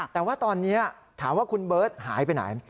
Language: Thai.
แต่ว่าตอนนี้ถามว่าคุณเบิร์ตหายไปไหน